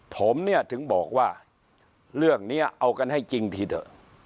ผมเนี่ยถึงบอกว่าเรื่องนี้เอากันให้จริงทีเถอะ